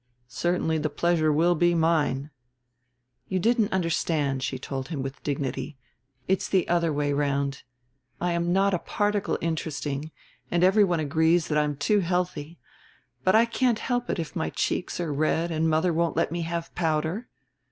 Certainly the pleasure will be mine." "You didn't understand," she told him, with dignity; "it's the other way round. I am not a particle interesting and everyone agrees that I'm too healthy. But I can't help it if my cheeks are red and mother won't let me have powder."